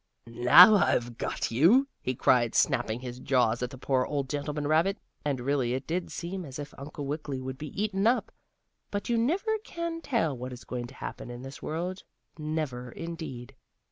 "Now I've got you!" he cried, snapping his jaws at the poor old gentleman rabbit. And really it did seem as if Uncle Wiggily would be eaten up. But you never can tell what is going to happen in this world; never indeed.